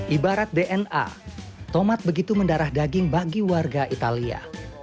ibarat dna tomat begitu mendarah daging bagi warga italia